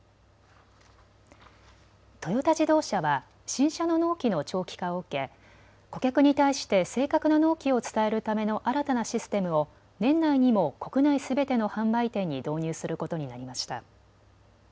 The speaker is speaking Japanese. トヨタ自動車は新車の納期の長期化を受け、顧客に対して正確な納期を伝えるための新たなシステムを年内にも国内すべての販売店に導入することになりました。